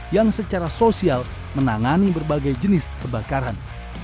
yang secara sosial menangani berbagai jenis kebakaran